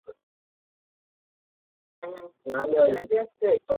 谢谢你们让我们办了自己的音乐祭！